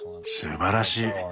すばらしい。